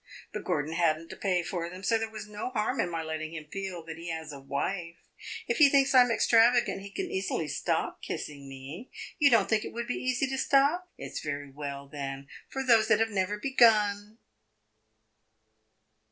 But Gordon had n't to pay for them, so there was no harm in my letting him feel that he has a wife. If he thinks I am extravagant, he can easily stop kissing me. You don't think it would be easy to stop? It 's very well, then, for those that have never begun!"